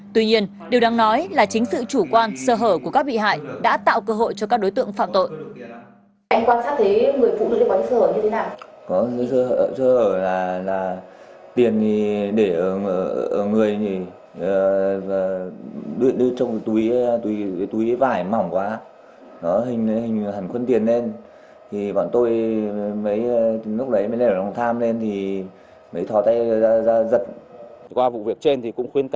tuy nhiên điều đang nói là chính sự chủ quan sơ hở của các bị hại đã tạo cơ hội cho các đối tượng phạm tội